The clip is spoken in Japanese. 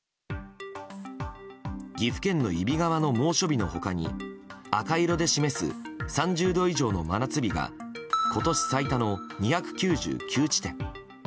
岐阜県の揖斐川の猛暑日の他に赤色で示す３０度以上の真夏日が今年最多の２９９地点。